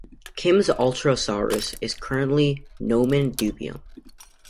Kim's "Ultrasaurus" is currently "nomen dubium".